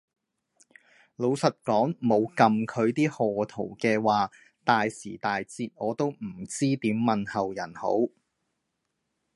老實講冇噉佢啲賀圖嘅話，大時大節我都唔知點問候人好